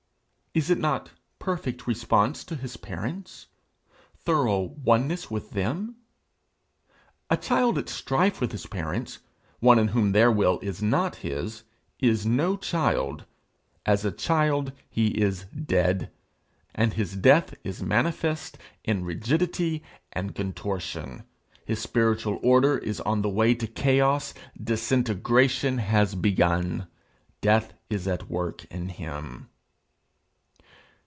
Is it not perfect response to his parents? thorough oneness with them? A child at strife with his parents, one in whom their will is not his, is no child; as a child he is dead, and his death is manifest in rigidity and contortion. His spiritual order is on the way to chaos. Disintegration has begun. Death is at work in him.